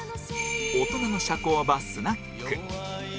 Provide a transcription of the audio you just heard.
大人の社交場スナック